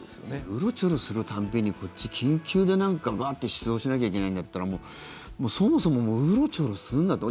うろちょろする度にこっち、緊急でガーッて出動しなきゃいけないんだったらそもそも、うろちょろするなと。